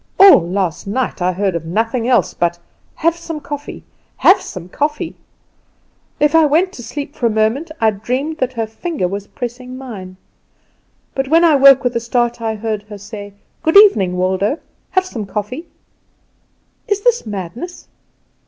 "All last night I heard nothing else but 'Have some coffee; have some coffee.' If I went to sleep for a moment I dreamed that her finger was pressing mine; but when I woke with a start I heard her say, 'Good evening, Waldo. Have some coffee!' "Is this madness?